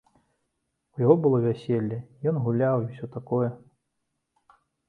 У яго было вяселле, ён гуляў і ўсё такое.